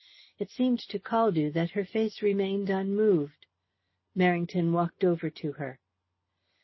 It seemed to Caldew that her face remained unmoved. Merrington walked over to her.